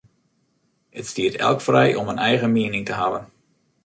It stiet elk frij om in eigen miening te hawwen.